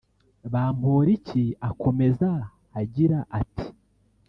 Bamporiki akomeza agira ati